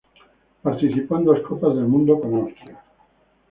Participó en dos Copas del Mundo con Austria.